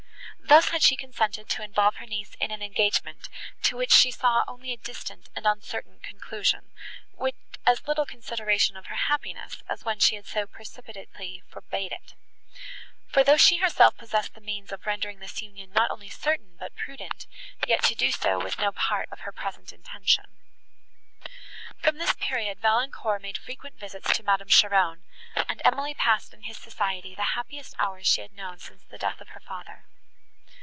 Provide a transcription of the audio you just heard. Thus had she consented to involve her niece in an engagement, to which she saw only a distant and uncertain conclusion, with as little consideration of her happiness, as when she had so precipitately forbade it: for though she herself possessed the means of rendering this union not only certain, but prudent, yet to do so was no part of her present intention. From this period Valancourt made frequent visits to Madame Cheron, and Emily passed in his society the happiest hours she had known since the death of her father.